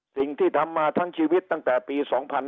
สิ่งที่ทำมาทั้งชีวิตตั้งแต่ปี๒๕๕๙